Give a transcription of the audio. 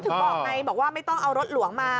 ถึงบอกไงบอกว่าไม่ต้องเอารถหลวงมา